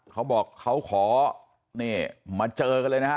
เขาบอกเขาขอนี่มาเจอกันเลยนะฮะ